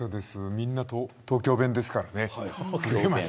みんな東京弁ですからね。